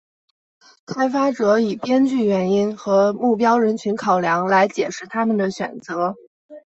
开发者以编剧原因和目标人群考量来解释他们的选择。